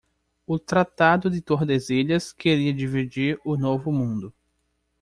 O tratado de Tordesilhas queria dividir o novo mundo.